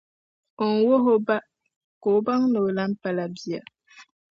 o ni wuhi o ba ka o baŋ ni o lam pala bia.